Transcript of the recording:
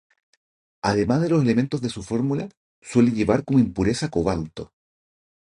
Además de los elementos de su fórmula, suele llevar como impureza cobalto.